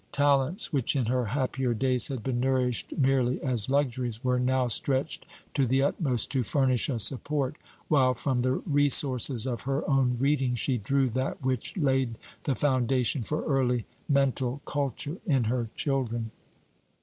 Talents which in her happier days had been nourished merely as luxuries, were now stretched to the utmost to furnish a support; while from the resources of her own reading she drew that which laid the foundation for early mental culture in her children.